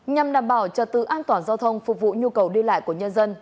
nhằm đảm bảo trật tự an toàn giao thông phục vụ nhu cầu đi lại của nhân dân